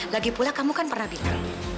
lagi pula kamu kan pernah bilang